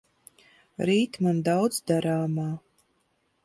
Rīt man daudz darāmā.